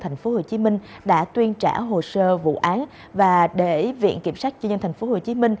tp hcm đã tuyên trả hồ sơ vụ án và để viện kiểm sát chuyên nhân tp hcm